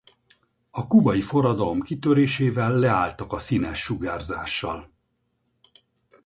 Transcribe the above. A kubai forradalom kitörésével leálltak a színes sugárzással.